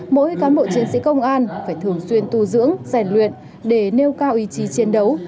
mỗi cán bộ chiến sĩ công an phải thường xuyên tu dưỡng rèn luyện để nêu cao ý chí chiến đấu